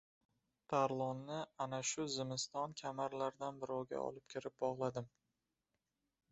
Tarlonni ana shu zimiston kamarlardan birovga olib kirib bog‘ladim.